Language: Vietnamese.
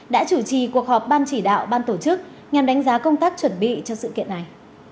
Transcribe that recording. đã chủ trì cuộc họp ban chỉ đạo ban tổ chức nhằm đánh giá công tác chuẩn bị cho sự kiện này